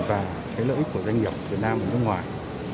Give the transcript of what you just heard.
và lợi ích của doanh nghiệp việt nam và nước ngoài